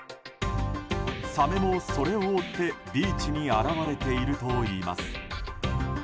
サメもそれを追ってビーチに現れているといいます。